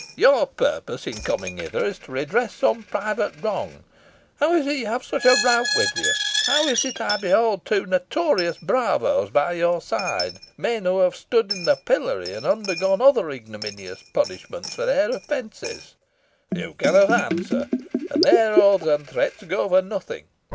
Your purpose in coming hither is to redress some private wrong. How is it you have such a rout with you? How is it I behold two notorious bravos by your side men who have stood in the pillory, and undergone other ignominious punishment for their offences? You cannot answer, and their oaths and threats go for nothing.